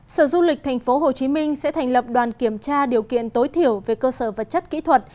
sở du lịch tp hcm sẽ thành lập đoàn kiểm tra điều kiện tối thiểu về cơ sở vật chất kỹ thuật